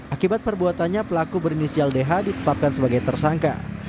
akibat perbuatannya pelaku berinisial dh ditetapkan sebagai tersangka